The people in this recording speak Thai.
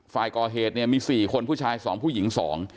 ฝ่ายก่อเหตุเนี่ยมี๔คนผู้ชาย๒ผู้หญิง๒